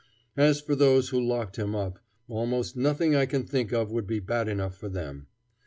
As for those who locked him up, almost nothing I can think of would be bad enough for them.